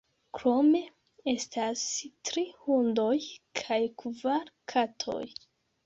Krome estas tri hundoj kaj kvar katoj.